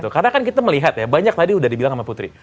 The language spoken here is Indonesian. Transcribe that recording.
karena kan kita melihat ya banyak tadi udah dibilang sama putri